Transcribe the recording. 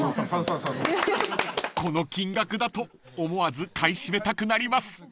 ［この金額だと思わず買い占めたくなります］